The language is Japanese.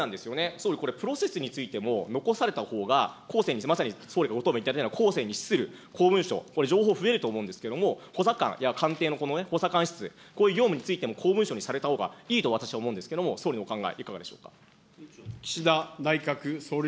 総理、これプロセスについても残されたほうが、後世に、まさに総理がご答弁されたように、後世に資する公文書、これ情報増えると思うんですけれども、補佐官や官邸のこの補佐官室、こういう業務についても公文書にされたほうがいいと私は思うんですけれども、総理のお考え、いかがでしょうか。